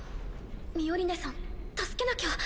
ミオリネさん助けなきゃ。